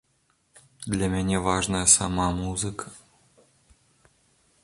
Для мяне важная сама музыка.